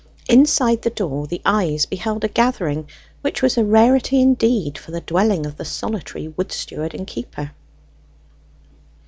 Inside the door the eyes beheld a gathering, which was a rarity indeed for the dwelling of the solitary wood steward and keeper.